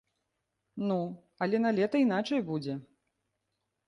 Ну, але налета іначай будзе.